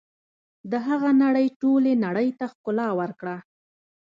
د هغه نړۍ ټولې نړۍ ته ښکلا ورکړه.